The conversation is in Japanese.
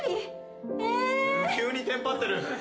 急にテンパってる。